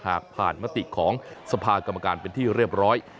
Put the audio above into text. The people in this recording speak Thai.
หากผ่านมติของสภากรรมการเป็นที่เรียบร้อย